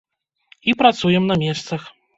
І працуем на месцах.